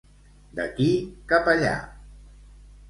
D'aquí cap allà.